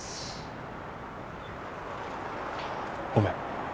ごめん。